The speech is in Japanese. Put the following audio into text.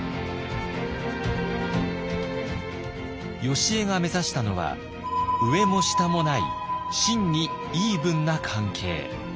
よしえが目指したのは上も下もない真にイーブンな関係。